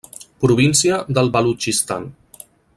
Província del Balutxistan.